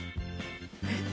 えっ？